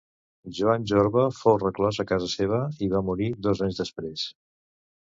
Joan Jorba fou reclòs a casa seva i va morir dos anys després.